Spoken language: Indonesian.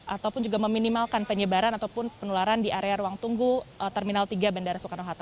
ataupun juga meminimalkan penyebaran ataupun penularan di area ruang tunggu terminal tiga bandara soekarno hatta